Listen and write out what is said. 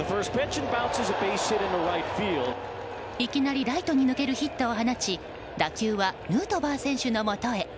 いきなりライトに抜けるヒットを放ち打球はヌートバー選手のもとへ。